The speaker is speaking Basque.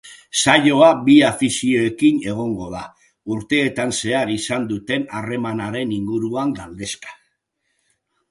Saioa bi afizioekin egongo da, urteetan zehar izan duten harremanaren inguruan galdezka.